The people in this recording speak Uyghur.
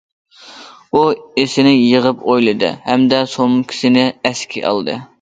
ئۇ ئېسىنى يىغىپ ئويلىدى ھەمدە سومكىسىنى ئەسكە ئالدى.